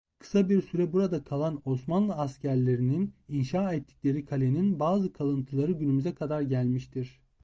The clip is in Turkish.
Kısa bir süre burada kalan Osmanlı askerlerinin inşa ettikleri kalenin bazı kalıntıları günümüze kadar gelmiştir.